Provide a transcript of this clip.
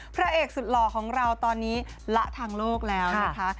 พระเอกสุดหล่อของเราตอนนี้ละทางโลกแล้วนะคะ